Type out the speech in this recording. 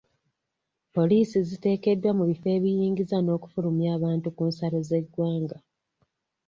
Poliisi ziteekeddwa mu bifo ebiyingiza n'okufulumya abantu ku nsalo z'eggwanga.